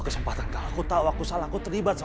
keren banget kamu kita cuma jadi korbannya